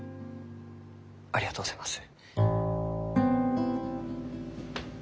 ありがとうございます。